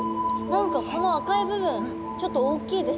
何かこの赤い部分ちょっと大きいですね。